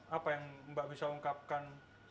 apa yang mbak bisa ungkapkan